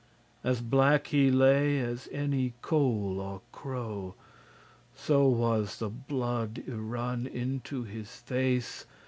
As black he lay as any coal or crow, So was the blood y run into his face.